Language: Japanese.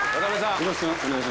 よろしくお願いします。